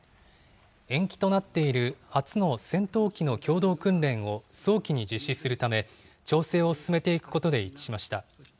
延期となっている初の戦闘機の共同訓練を早期に実施するため、調整を進めていくことで一致しました。